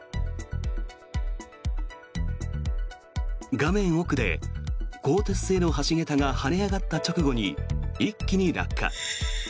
画面奥で、鋼鉄製の橋桁が跳ね上がった直後に一気に落下。